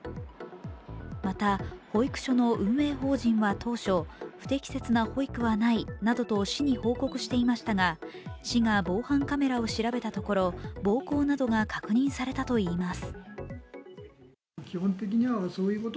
また、保育所の運営法人は当初、不適切な保育はないなどと市に報告していましたが市が防犯カメラを調べたところ、暴行などが確認されたといいます。